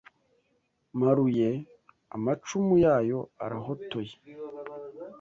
Mparuye amacumu yayo arahotoye